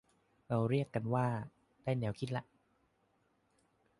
เราเรียกกันว่า ได้แนวคิดและ